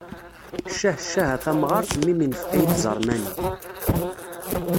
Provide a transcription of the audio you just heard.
Ccah ccah a tamɣart mmi-m infeq-iyi-d ẓermani.